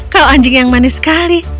kalau anjing yang manis sekali